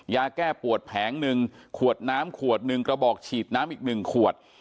ยาแก้ปวดแผง๑ขวดน้ำ๑กระบอกฉีดน้ำ๑ขวด